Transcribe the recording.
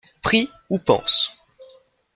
Prie ou pense.